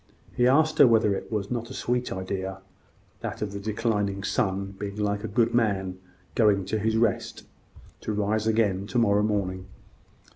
He asked her whether it was not a sweet idea that of the declining sun being like a good man going to his rest, to rise again to morrow morning.